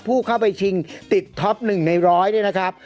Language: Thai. ผู้เข้าไปชิงติดท็อป๑ใน๑๐๐เนี่ยนะครับ